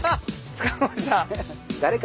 塚越さん。